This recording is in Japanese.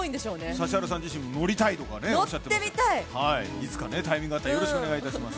指原さん自身乗りたいとかいつかタイミングがあったらよろしくお願いします。